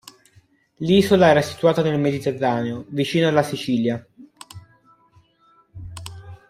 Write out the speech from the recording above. L'isola era situata nel Mediterraneo, vicino alla Sicilia.